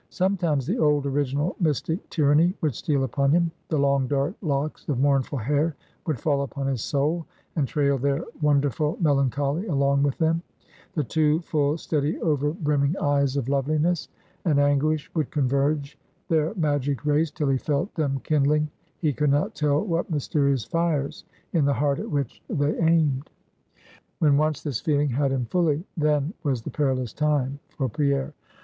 Sometimes the old, original mystic tyranny would steal upon him; the long, dark, locks of mournful hair would fall upon his soul, and trail their wonderful melancholy along with them; the two full, steady, over brimming eyes of loveliness and anguish would converge their magic rays, till he felt them kindling he could not tell what mysterious fires in the heart at which they aimed. When once this feeling had him fully, then was the perilous time for Pierre.